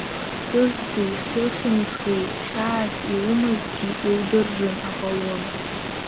Сыхьӡи сыхьымӡӷи хьаас иумазҭгьы иудыррын, аполон.